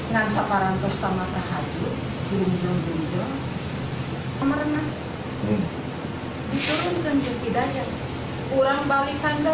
neneng kalau ini memang terpercantik